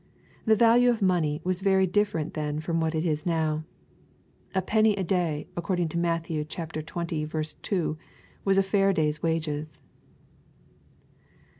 The value of money was very different then from what it is now. A " penny a day," according to Matthew xx. 2, was a fair day's '^ wages.